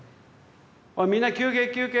おいみんな休憩休憩。